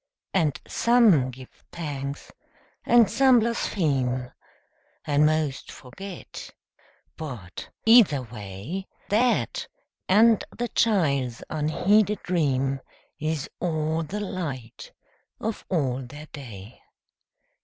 And give some thanks, and some blaspheme, And most forget, but, either way, That and the child's unheeded dream Is all the light of all their day.